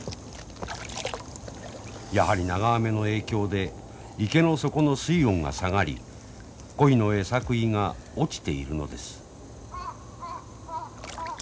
やはり長雨の影響で池の底の水温が下がり鯉の餌食いが落ちているのです。